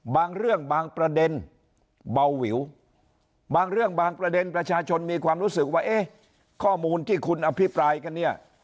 บางเรื่องบางประเด็นเบาวิวบางเรื่องบางประเด็นประชาชนมีความรู้สึกว่าเอ๊ะข้อมูลที่คุณอภิปรายกันเนี่ย